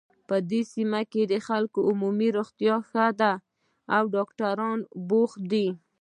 په دې سیمه کې د خلکو عمومي روغتیا ښه ده او ډاکټران بوخت دي